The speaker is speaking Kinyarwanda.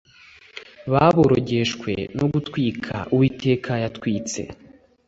baborogeshwe no gutwika Uwiteka yatwitse